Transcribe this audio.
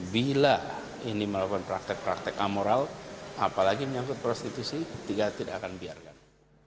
bila ini melakukan praktek praktek amoral apalagi menyangkut prostitusi kita tidak akan biarkan